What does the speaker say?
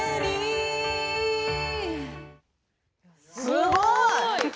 すごい！